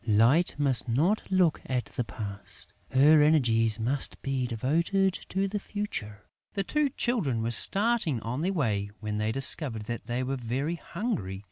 "Light must not look at the past. Her energies must be devoted to the future!" The two Children were starting on their way, when they discovered that they were very hungry.